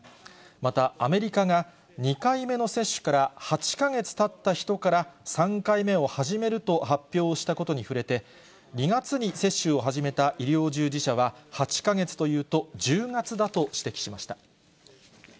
またアメリカが、２回目の接種から８か月たった人から３回目を始めると発表したことに触れて、２月に接種を始めた医療従事者は８か月というと１０月だと指摘しました。